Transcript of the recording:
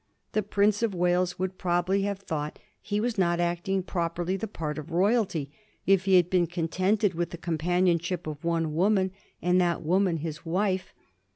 The Prince of Wales would probably have thought he was not acting properly the part of royalty if he had been contented with the com panionship of one woman, and that woman his wife.